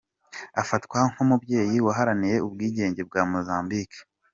Afatwa nk’umubyeyi waharaniye ubwigenge bwa Mozambique.